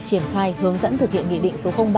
triển khai hướng dẫn thực hiện nghị định số ba